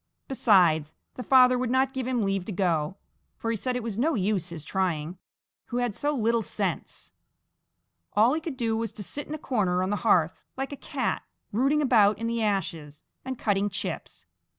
Besides, the father would not give him leave to go, for he said it was no use his trying, who had so little sense; all he could do was to sit in a corner on the hearth, like a cat, rooting about in the ashes and cutting chips.